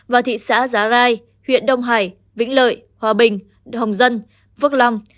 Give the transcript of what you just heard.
và thị xã giá rai huyện đông hải vĩnh lợi hòa bình hồng dân phước long